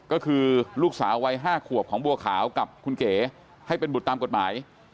ก็คือลูกสาววัย๕ขวบของบัวขาวกับคุณเก๋ให้เป็นบุตรตามกฎหมาย